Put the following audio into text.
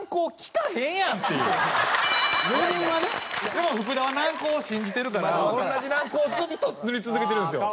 でも福田は軟膏を信じてるから同じ軟膏をずっと塗り続けてるんですよ。